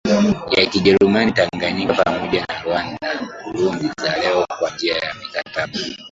ya Kijerumani Tanganyika pamoja na Rwanda na Burundi za leo Kwa njia za mikataba